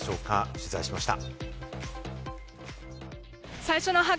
取材しました。